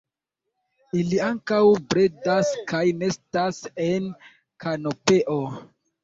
Ili ankaŭ bredas kaj nestas en kanopeo.